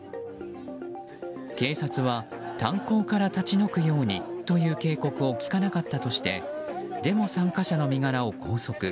警察は、炭鉱から立ち退くようにという警告を聞かなかったとしてデモ参加者の身柄を拘束。